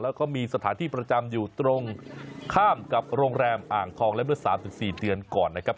แล้วก็มีสถานที่ประจำอยู่ตรงข้ามกับโรงแรมอ่างทองและเมื่อ๓๔เดือนก่อนนะครับ